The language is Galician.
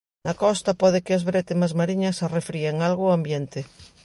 Na costa, pode que as brétemas mariñas arrefríen algo o ambiente.